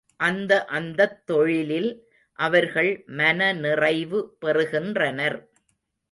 அந்த அந்தத் தொழிலில் அவர்கள் மனநிறைவு பெறுகின்றனர்.